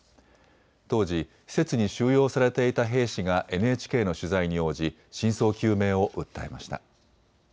当時、施設に収容されていた兵士がＮＨＫの取材に応じ真相究明を訴えました。